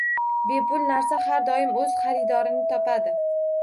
Bepul narsa har doim o’z xaridorini topadi